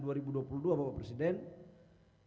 yang pertama tetap masih ada singapura